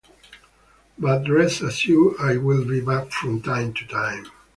But rest assured, I will be back from time to time.